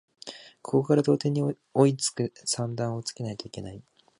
ここから同点に追いつく算段をつけないといけない